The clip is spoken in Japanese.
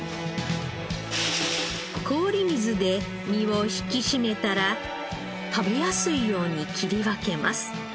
氷水で身を引き締めたら食べやすいように切り分けます。